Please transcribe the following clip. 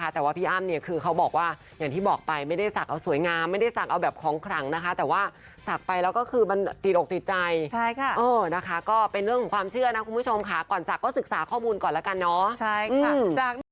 แต่ว่าพี่อ้ำเนี่ยคือเขาบอกว่าอย่างที่บอกไปไม่ได้สักเอาสวยงามไม่ได้สักเอาแบบของขลังนะคะแต่ว่าศักดิ์ไปแล้วก็คือมันติดอกติดใจนะคะก็เป็นเรื่องของความเชื่อนะคุณผู้ชมค่ะก่อนศักดิ์ก็ศึกษาข้อมูลก่อนแล้วกันเนาะ